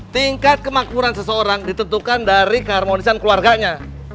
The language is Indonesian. tingkat kemakmuran seseorang ditentukan dari keharmonisan keluarganya